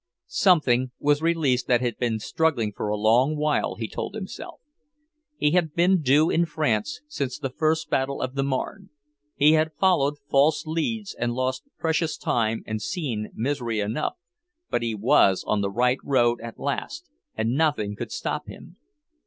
Something was released that had been struggling for a long while, he told himself. He had been due in France since the first battle of the Marne; he had followed false leads and lost precious time and seen misery enough, but he was on the right road at last, and nothing could stop him.